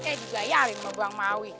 eh dibayarin sama bang maui